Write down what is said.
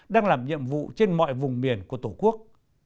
đang làm nhiệm vụ trên mọi vùng miền của tổ quốc